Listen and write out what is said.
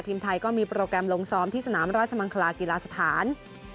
ทีมไทยก็มีโปรแกรมลงซ้อมที่สนามราชมังคลากีฬาสถาน